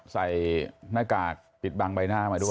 ใส่หน้ากากปิดบังใบหน้ามาด้วย